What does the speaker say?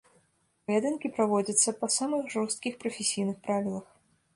Паядынкі праводзяцца па самых жорсткіх прафесійных правілах.